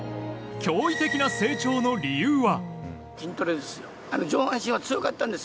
驚異的な成長の理由は。